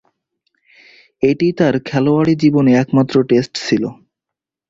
এটিই তার খেলোয়াড়ী জীবনের একমাত্র টেস্ট ছিল।